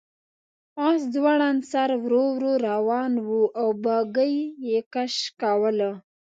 آس ځوړند سر ورو ورو روان و او بګۍ یې کش کوله.